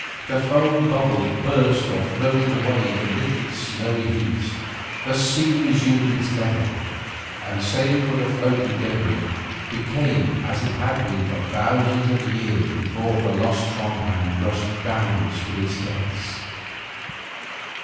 The foam bubbles burst or floated away in little snowy heaps; the sea resumed its level, and, save for the floating debris, became as it had been for thousands of years before the lost Trondhjem rushed downward to its depths.